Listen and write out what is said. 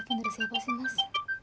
akan dari siapa sih mas